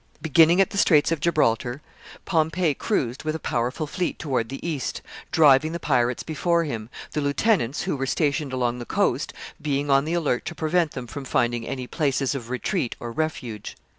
] Beginning at the Straits of Gibraltar, Pompey cruised with a powerful fleet toward the east, driving the pirates before him, the lieutenants, who were stationed along the coast being on the alert to prevent them from finding any places of retreat or refuge.